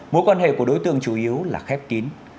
mối quan hệ của đối tượng chủ yếu là khép kín